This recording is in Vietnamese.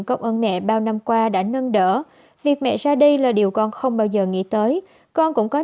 công ơn mẹ bao năm qua đã nâng đỡ việc mẹ ra đi là điều con không bao giờ nghĩ tới con cũng có